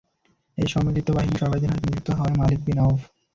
এই সম্মিলিত বাহিনীর সর্বাধিনায়ক নিযুক্ত হয় মালিক বিন আওফ।